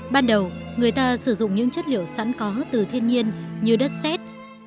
ban đầu người ta sử dụng những chất liệu sẵn có từ thiên nhiên như đất xét